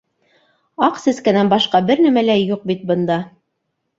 — Аҡ сәскәнән башҡа бер нәмә лә юҡ бит бында.